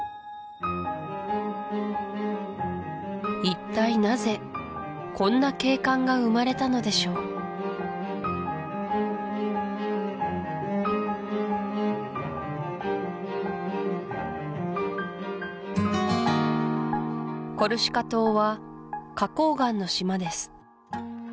一体なぜこんな景観が生まれたのでしょうコルシカ島は花崗岩の島です